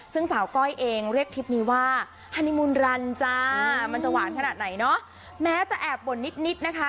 ซึ่งสาวก้อยเองเรียกทริปนี้ว่าฮานิมูลรันจ้ามันจะหวานขนาดไหนเนาะแม้จะแอบบ่นนิดนะคะ